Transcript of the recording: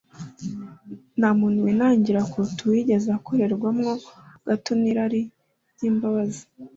Nta muntu winangira kuruta uwigeze akorerwamo gato n'irarika ry'imbabazi